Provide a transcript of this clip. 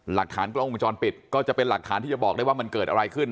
หลักฐานกล้องวงจรปิดก็จะเป็นหลักฐานที่จะบอกได้ว่ามันเกิดอะไรขึ้น